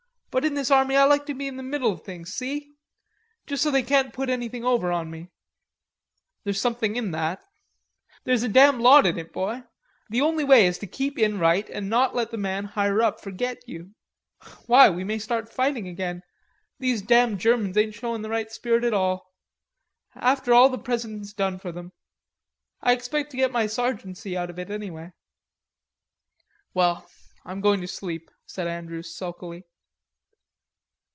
But in this army I like to be in the middle of things, see? Just so they can't put anything over on me." "There's something in that." "There's a damn lot in it, boy. The only way is to keep in right and not let the man higher up forget you.... Why, we may start fighting again. These damn Germans ain't showin' the right spirit at all... after all the President's done for them. I expect to get my sergeantcy out of it anyway." "Well, I'm going to sleep," said Andrews sulkily.